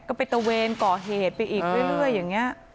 ก็ไปตะเวนก่อเหตุไปอีกเรื่อยอย่างนี้